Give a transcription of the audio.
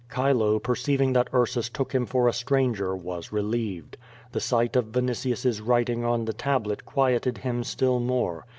Chilo perceiving that Ursus took him for a stranger, was re lieved. The sight of Vinitius*6 writing on the tablet quieted him still more.